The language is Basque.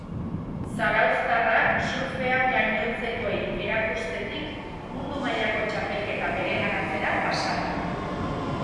Zarauztarrak surfean gainontzekoei erakustetik, mundu mailako txapelketa bereganatzera pasa da.